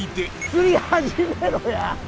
釣り始めろや！